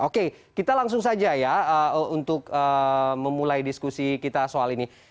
oke kita langsung saja ya untuk memulai diskusi kita soal ini